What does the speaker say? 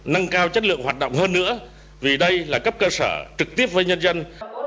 nâng cao chất lượng hoạt động hơn nữa vì đây là cấp cơ sở trực tiếp với nhân dân